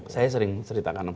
saya sering ceritakan